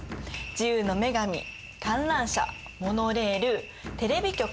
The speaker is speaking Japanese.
自由の女神観覧車モノレールテレビ局。